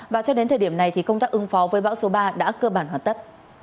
và cho đến thời điểm này công tác ưng phó với bão số ba đã cơ bản hoạt tất